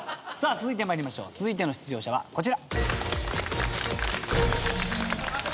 続いての出場者はこちら。